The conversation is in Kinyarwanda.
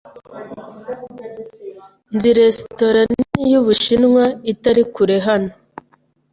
Nzi resitora nini yubushinwa itari kure hano.